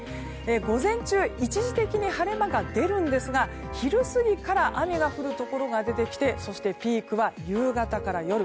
午前中一時的に晴れ間が出るんですが昼過ぎから雨が降るところが出てきてそしてピークは夕方から夜。